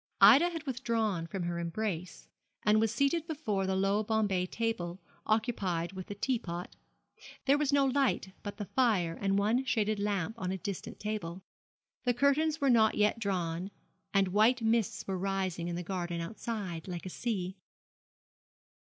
Ida had withdrawn from her embrace, and was seated before the low Bombay table, occupied with the tea pot. There was no light but the fire and one shaded lamp on a distant table. The curtains were not yet drawn, and white mists were rising in the garden outside, like a sea.